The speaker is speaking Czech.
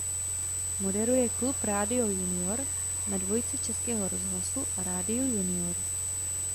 Moderuje "Klub Rádia Junior" na Dvojce Českého rozhlasu a Rádiu Junior.